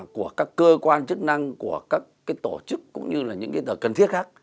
của các cơ quan chức năng của các tổ chức cũng như là những cái tờ cần thiết khác